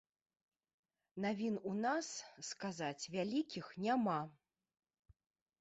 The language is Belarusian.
Навін у нас, сказаць, вялікіх няма.